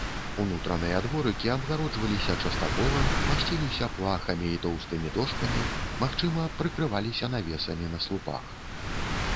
Унутраныя дворыкі абгароджваліся частаколам, масціліся плахамі і тоўстымі дошкамі, магчыма, прыкрываліся навесамі на слупах.